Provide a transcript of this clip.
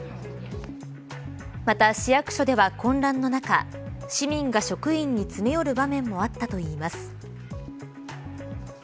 また、市役所では混乱の中市民が職員に詰め寄る場面もあったといいます。